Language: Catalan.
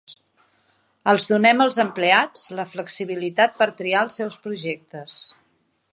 Els donem als empleats la flexibilitat per triar els seus projectes.